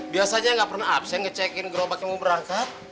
biasanya nggak pernah absent ngecheck gerobak mau berangkat